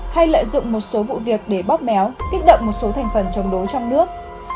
hay lợi dụng một số vụ việc để bóp méo kích động một số thành phần chống đối trong nước